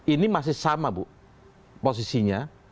ini masih sama bu posisinya